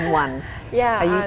atau kamu berpengaruh dengan satu